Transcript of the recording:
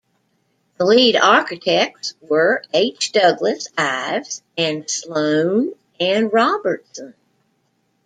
The lead architects were H. Douglas Ives and Sloan and Robertson.